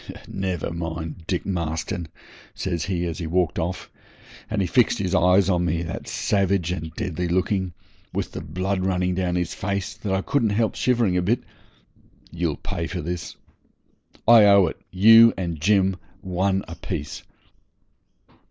'Never mind, Dick Marston,' says he, as he walked off; and he fixed his eyes on me that savage and deadly looking, with the blood running down his face, that I couldn't help shivering a bit, 'you'll pay for this. I owe it you and Jim, one a piece.'